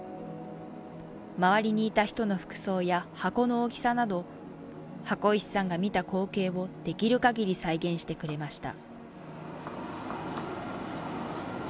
周りにいた人の服装や箱の大きさなど箱石さんが見た光景をできるかぎり再現してくれました。